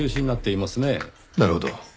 なるほど。